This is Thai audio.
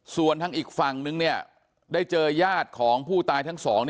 ส่วนทางอีกฝั่งนึงได้เจอญาติของผู้ตายทั้งสอง